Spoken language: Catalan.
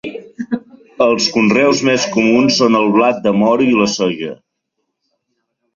Els conreus més comuns són el blat de moro i la soja.